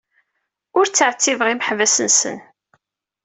Ur ttɛettibeɣ imeḥbas-nsen.